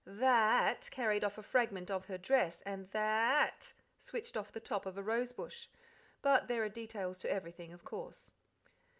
"Th a at" carried off a fragment of her dress, and "tha a a at" switched off the top of a rose bush; but there are details to everything, of course.